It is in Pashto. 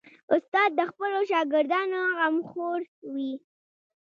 استاد د خپلو شاګردانو غمخور وي.